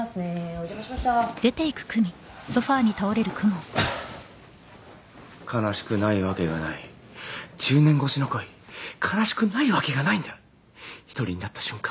お邪魔しました悲しくないわけがない１０年越しの恋悲しくないわけがないんだ１人になった瞬間